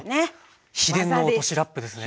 秘伝の落としラップですね。